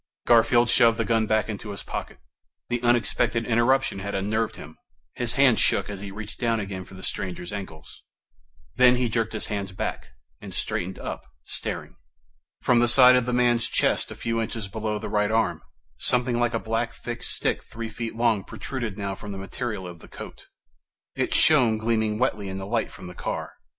Garfield shoved the gun back into his pocket. The unexpected interruption had unnerved him; his hands shook as he reached down again for the stranger's ankles. Then he jerked his hands back, and straightened up, staring. From the side of the man's chest, a few inches below the right arm, something like a thick black stick, three feet long, protruded now through the material of the coat. It shone, gleaming wetly, in the light from the car.